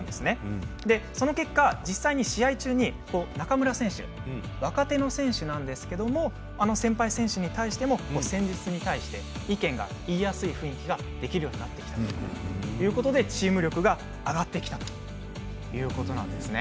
その結果、実際に試合中に中村選手若手の選手なんですけれども先輩選手に対しても戦術に関して意見が言いやすい雰囲気ができるようになってきたということでチーム力が上がってきたということなんですね。